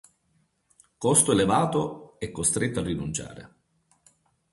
Costo elevato e costretto a rinunciare.